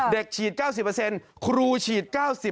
เด็กฉีด๙๐ครูฉีด๙๐